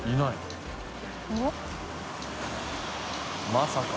まさか？